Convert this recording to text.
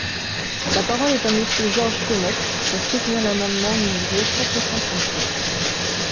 La parole est à Monsieur Georges Fenech, pour soutenir l’amendement numéro quatre cent trente-quatre.